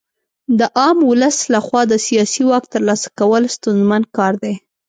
د عام ولس لخوا د سیاسي واک ترلاسه کول ستونزمن کار دی.